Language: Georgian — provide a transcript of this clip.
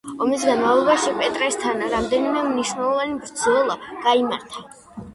ომის განმავლობაში პეტრასთან რამდენიმე მნიშვნელოვანი ბრძოლა გაიმართა.